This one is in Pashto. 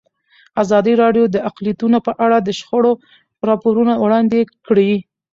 ازادي راډیو د اقلیتونه په اړه د شخړو راپورونه وړاندې کړي.